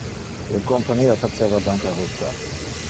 Le compania faceva bancarupta.